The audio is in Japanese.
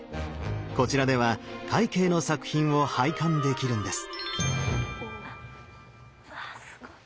こちらでは快慶の作品を拝観できるんです！